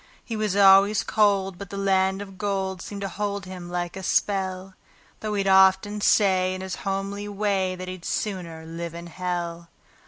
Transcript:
He was always cold, but the land of gold seemed to hold him like a spell; Though he'd often say in his homely way that he'd "sooner live in hell".